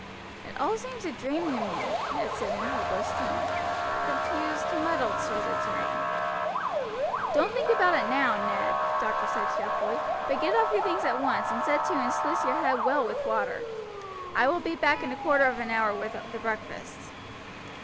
"It all seems a dream to me," Ned said in a hopeless tone, "a confused, muddled sort of dream." "Don't think about it now, Ned," the doctor said cheerfully, "but get off your things at once, and set to and sluice your head well with water. I will be back in a quarter of an hour with the breakfast."